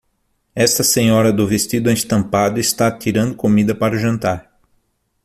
Esta senhora do vestido estampado está tirando comida para o jantar.